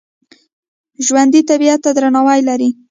ژوندي طبیعت ته درناوی لري